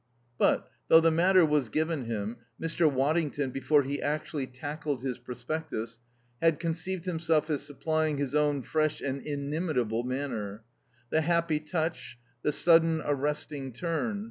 But, though the matter was given him, Mr. Waddington, before he actually tackled his prospectus, had conceived himself as supplying his own fresh and inimitable manner; the happy touch, the sudden, arresting turn.